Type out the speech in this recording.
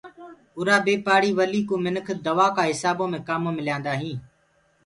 اُرآ بي پآڙهي ولي ڪوُ منک دو ڪآ هسآبودي ڪآمو مي ليندآ هينٚ۔